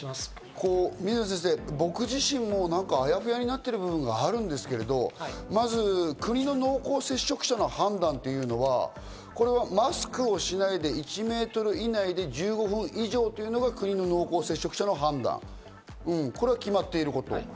水野先生、僕自身も何か、あやふやになってる部分があるんですけど、まず国の濃厚接触者の判断っていうのはマスクをしないで１メートル以内で１５分以上というのが国の濃厚接触者の判断、これは決まっていること。